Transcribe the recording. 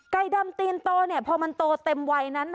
ไก่ดำตีนโตพอมันโตเต็มวัยนั้น